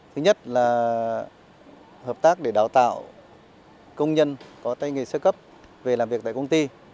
thứ nhất là hợp tác để đào tạo công nhân có tay nghề sơ cấp về làm việc tại công ty